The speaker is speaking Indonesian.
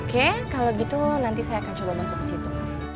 oke kalau gitu nanti saya akan coba masuk ke situ